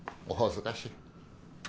お恥ずかしい。